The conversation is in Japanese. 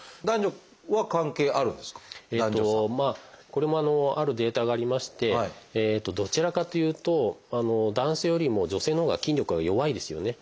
これもあるデータがありましてどちらかというと男性よりも女性のほうが筋力が弱いですよね。